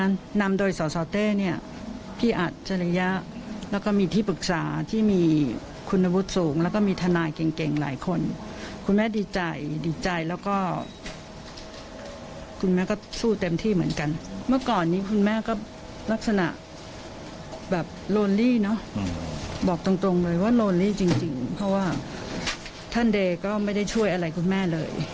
โรนลี่เนาะบอกตรงเลยว่าโรนลี่จริงเพราะว่าท่านเดก็ไม่ได้ช่วยอะไรคุณแม่เลย